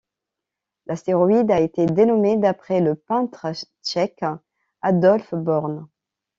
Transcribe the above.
L'astéroïde a été dénommé d'après le peintre tchèque Adolf Born.